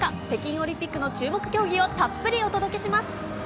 北京オリンピックの注目競技をたっぷりお届けします。